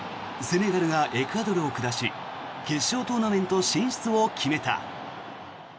セネガルがエクアドルを下し決勝トーナメント進出を決めた。